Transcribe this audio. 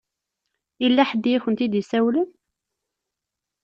Yella ḥedd i akent-id-isawlen?